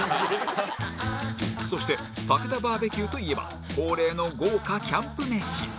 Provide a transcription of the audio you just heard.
そしてたけだバーベキューといえば恒例の豪華キャンプ飯